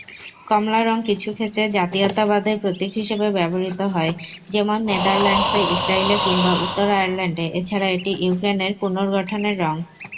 কমলা রঙ কিছুক্ষেত্রে জাতীয়তাবাদের প্রতীক হিসেবে ব্যবহৃত হয়, যেমন নেদারল্যান্ডসে, ইসরাইলে কিংবা উত্তর আয়ারল্যান্ডে, এছাড়া এটি ইউক্রেনের পুনর্গঠনের রঙ।